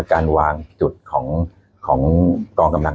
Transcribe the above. การวางจุดของกองกำลัง